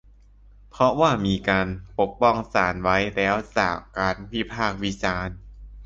เพราะว่ามีการปกป้องศาลไว้แล้วจากการวิพากษ์วิจารณ์